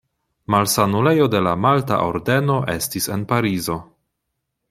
Malsanulejo de la Malta Ordeno estis en Parizo.